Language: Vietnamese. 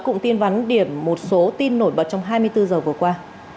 cùng tin vắn điểm một số tin nổi bật trong hai mươi bốn h vừa qua